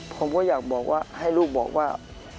ผมก็อยากให้ลูกบอกว่า